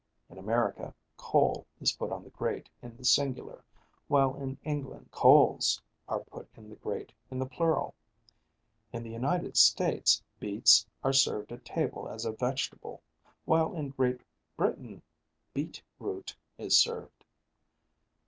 In America coal is put on the grate in the singular, while in England coals are put in the grate in the plural. In the United States beets are served at table as a vegetable, while in Great Britain beet root is served.